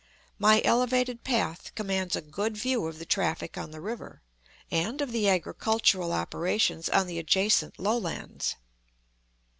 My elevated path commands a good view of the traffic on the river, and of the agricultural operations on the adjacent lowlands.